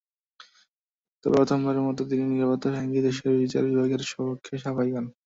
তবে প্রথমবারের মতো তিনি নীরবতা ভেঙে দেশের বিচার বিভাগের পক্ষে সাফাই গান।